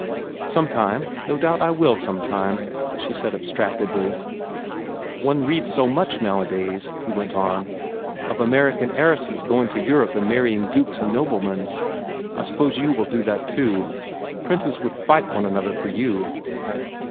"Sometime no doubt I will sometime," she said abstractedly. "One reads so much nowadays," he went on, "of American heiresses going to Europe and marrying dukes and noblemen. I suppose you will do that too. Princes would fight one another for you."